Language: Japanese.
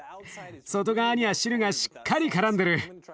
外側には汁がしっかりからんでる。